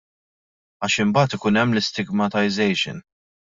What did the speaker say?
Għax imbagħad ikun hemm l-istigmatisation.